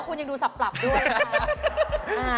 คุณยังดูสับปรับด้วย